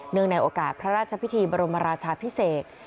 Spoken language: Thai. ในโอกาสพระราชพิธีบรมราชาพิเศษ